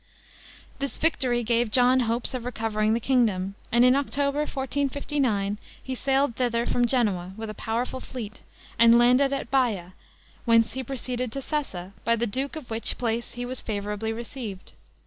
This victory gave John hopes of recovering the kingdom; and in October, 1459, he sailed thither from Genoa, with a powerful fleet, and landed at Baia; whence he proceeded to Sessa, by the duke of which place he was favorably received.